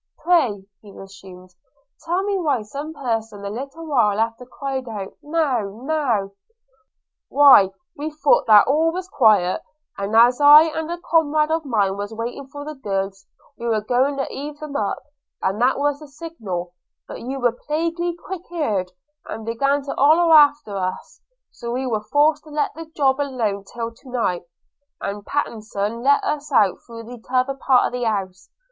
'Pray,' resumed he, 'tell me why some person a little while after cried out Now! now!' 'Why, we thought that all was quiet; and as I and a comrade of mine was waiting for the goods, we were going to heave them up, and that was the signal – but you were plaguy quick eared, and began to holla after us; so we were forced to let the job alone till to night, and Pattenson let us out through the t'other part of the house.